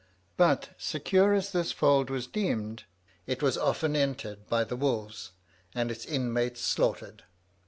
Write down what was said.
But, secure as this fold was deemed, it was often entered by the wolves, and its inmates slaughtered.